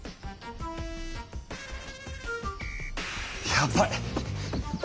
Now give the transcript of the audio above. やばい！